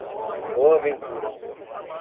Boa Ventura